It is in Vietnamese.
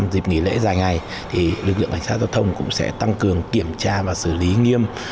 dịp nghỉ lễ dài ngày lực lượng cảnh sát giao thông cũng sẽ tăng cường kiểm tra và xử lý nghiêm